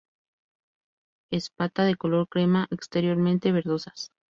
Espata de color crema, exteriormente verdosas.